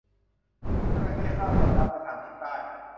มีจระเข้คาบคนรักไปทางทิศใต้